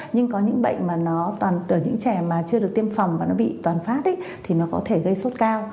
nhưng có những trẻ mà chưa được tiêm phòng và nó bị toàn phát thì nó có thể gây sốt cao